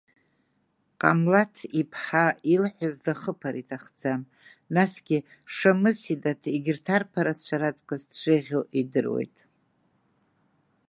Ҟамлаҭ иԥҳа илҳәаз дахыԥар иҭахӡам, насгьы Шамы Синаҭ егьырҭ арԥарцәа раҵкыс дшеиӷьу идыруеит.